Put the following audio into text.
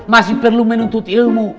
masih perlu menuntut ilmu